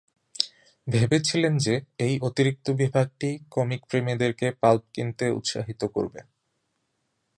ভেবেছিলেন যে, এই অতিরিক্ত বিভাগটি কমিক প্রেমীদের কে পাল্প কিনতে উৎসাহিত করবে।